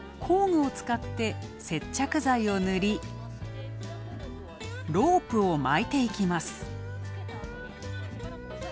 工具を使って、接着剤を塗り、ロープを巻いていきます。